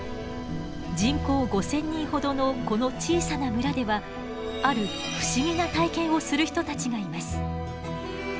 人口５，０００人ほどのこの小さな村ではある不思議な体験をする人たちがいます。